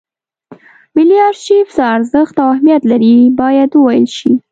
ملي ارشیف څه ارزښت او اهمیت لري باید وویل شي.